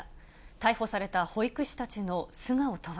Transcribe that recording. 逮捕された保育士たちの素顔とは。